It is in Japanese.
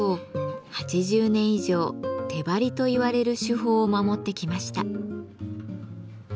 ８０年以上「手貼り」といわれる手法を守ってきました。